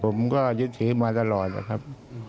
ผมก็ยึดถือมาตลอดนะครับ